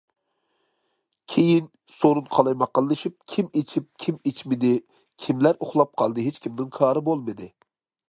كېيىن سورۇن قالايمىقانلىشىپ كىم ئىچىپ كىم ئىچمىدى، كىملەر ئۇخلاپ قالدى ھېچكىمنىڭ كارى بولمىدى.